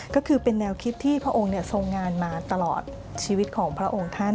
ก็คือเป็นแนวคิดที่พระองค์ทรงงานมาตลอดชีวิตของพระองค์ท่าน